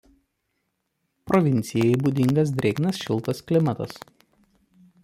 Provincijai būdingas drėgnas šiltas klimatas.